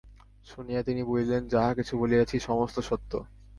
শুনিয়া তিনি বলিলেন যাহা কিছু বলিয়াছি, সমস্ত সত্য।